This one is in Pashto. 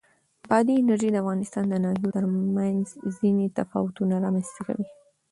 بادي انرژي د افغانستان د ناحیو ترمنځ ځینې تفاوتونه رامنځ ته کوي.